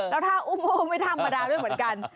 แล้วถ้าอุ้มไปทางประดานด้วยเหมือนกัน